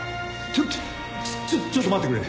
ちょっとちょっと待ってくれ。